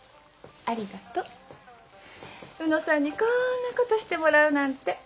卯之さんにこんなことしてもらうなんて！